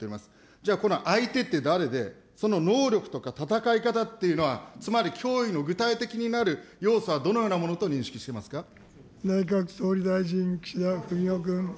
じゃあこの相手って誰で、その能力とか戦い方っていうのは、つまり脅威の具体的になる要素はどの内閣総理大臣、岸田文雄君。